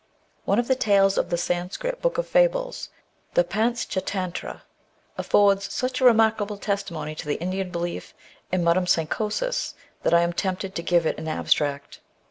One of the tales of the Sanskrit book of fables, the Pantschatantra, affords such a remarkable testimony to the Indian belief in metempsychosis, that I am tempted to give it in abstract.